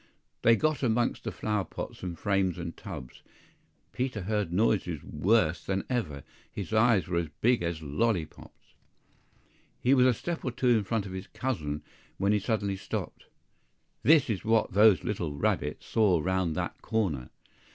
THEY got amongst flower pots, and frames and tubs; Peter heard noises worse than ever, his eyes were as big as lolly pops! He was a step or two in front of his cousin, when he suddenly stopped. THIS is what those little rabbits saw round that corner!